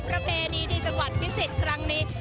ประเพณีที่จังหวัดพิสิทธิ์ครั้งนี้